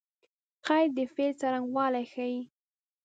قید د فعل څرنګوالی ښيي.